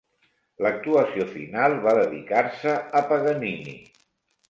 L'actuació final va dedicar-se a Paganini.